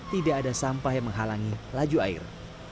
tidak ada sampah yang menghalangi laju air